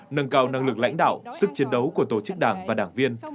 nâng cao năng lực lãnh đạo sức chiến đấu của tổ chức đảng và đảng viên